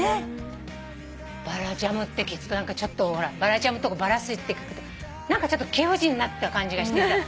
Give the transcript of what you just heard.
バラジャムって聞くと何かちょっとバラジャムとかバラ水って聞くと何かちょっと貴婦人になった感じがしてさ